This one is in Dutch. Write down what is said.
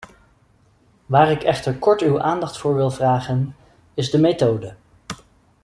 Waar ik echter kort uw aandacht voor wil vragen, is de methode.